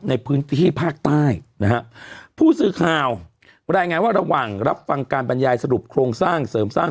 ในพื้นที่ภาคใต้นะฮะผู้สื่อข่าวรายงานว่าระหว่างรับฟังการบรรยายสรุปโครงสร้างเสริมสร้าง